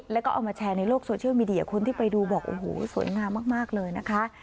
แล้วก็เอามาแชร์ในโลกโซเชียลมีเดียคนที่ไปดูบอกโอ้โหสวยงามมากเลยนะคะ